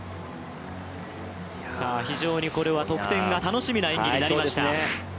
非常にこれは得点が楽しみな演技になりました。